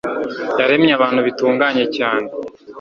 yaremye abantu bitunganye cyane